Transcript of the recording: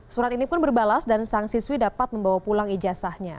surat ini pun berbalas dan sang siswi dapat membawa pulang ijazahnya